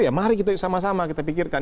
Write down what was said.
ya mari kita sama sama kita pikirkan